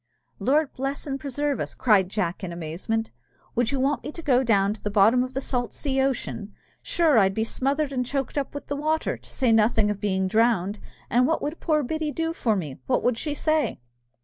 "Lord bless and preserve us!" cried Jack, in amazement, "would you want me to go down to the bottom of the salt sea ocean? Sure, I'd be smothered and choked up with the water, to say nothing of being drowned! And what would poor Biddy do for me, and what would she say?"